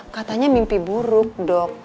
katanya mimpi buruk dok